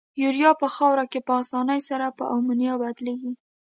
یوریا په خاوره کې په آساني سره په امونیا بدلیږي.